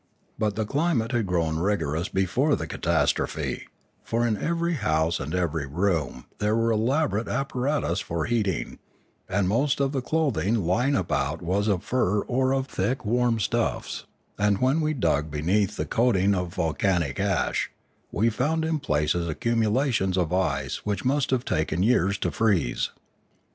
But the climate had grown rigorous before the catastrophe; for in every house and every room there were elaborate apparatus for heating, and inost of the clothing lying about was of fur or of thick, warm stuffs, and when we dug beneath the coat ing of volcanic ash, we found in places accumulations of ice which must have taken years to freeze.